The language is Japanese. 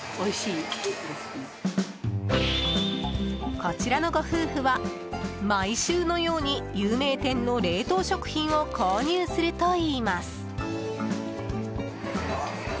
こちらのご夫婦は毎週のように有名店の冷凍食品を購入するといいます。